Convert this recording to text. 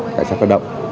cảnh sát cơ động